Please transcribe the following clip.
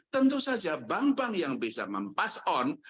tentu saja bank bank yang bisa mempass on